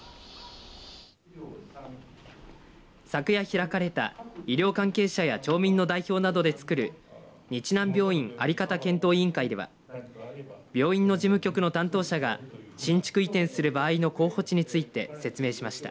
昨夜開かれた医療関係者や町民の代表などでつくる日南病院あり方検討委員会では病院の事務局の担当者が新築移転する場合の候補地について説明しました。